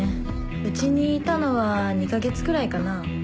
うちにいたのは２カ月くらいかな。